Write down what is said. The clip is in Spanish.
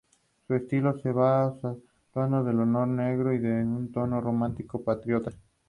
La causa fue un virus que en tres años le destruyó los riñones.